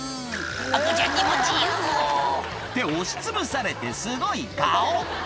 「赤ちゃんにも自由を！」って押しつぶされてすごい顔